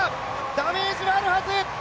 ダメージはあるはず！